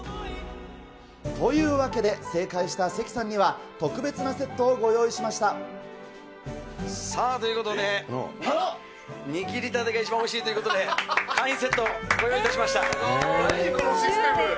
というわけで、正解した関さんには、特別なセットをご用意しましさあ、ということで、握りたてが一番おいしいということで、簡易セットをご用意いたし何このシステム。